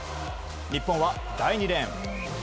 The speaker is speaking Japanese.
日本は第２レーン。